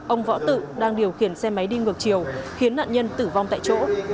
ông võ tự đang điều khiển xe máy đi ngược chiều khiến nạn nhân tử vong tại chỗ